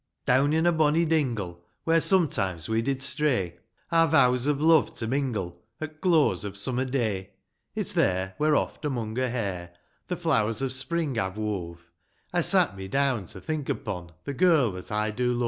II. Down in a bonny dingle, Where sometimes we did stray Our vows of love to mingle, At close of summer day ; It's there, where oft among her Jiair The flowers of spring I've wove, I sat me down to thmk upon The girl tliat I do love.